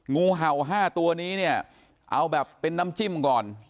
งูเห่า๕ตัวนี้เนี่ยเอาแบบเป็นน้ำจิ้มก่อน